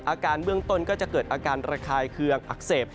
อาการเบื้องต้นก็จะเกิดอาการระคายเคืองอักเสบ